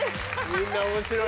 みんな面白い。